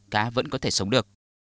cá vẫn có thể sống được